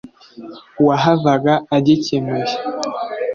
wahavaga agikemuye